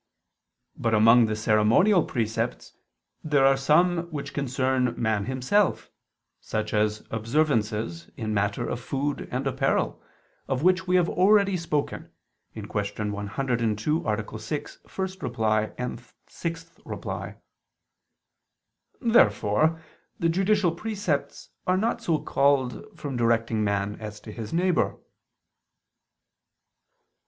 But among the ceremonial precepts there are some which concern man himself, such as observances in matter of food and apparel, of which we have already spoken (Q. 102, A. 6, ad 1, 6). Therefore the judicial precepts are not so called from directing man as to his neighbor.